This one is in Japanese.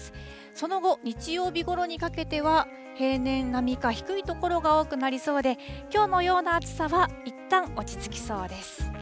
その後、日曜日ごろにかけては、平年並みか低い所が多くなりそうで、きょうのような暑さはいったん落ち着きそうです。